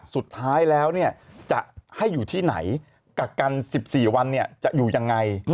สุดท้ายแล้วจะให้อยู่ที่ไหนกักกัน๑๔วันจะอยู่ยังไง